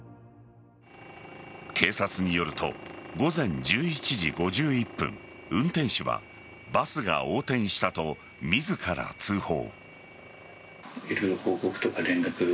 警察によると午前１１時５１分運転手はバスが横転したと自ら通報。